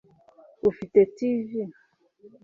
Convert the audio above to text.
ufite tv